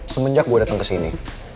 semenjak gue dateng kesini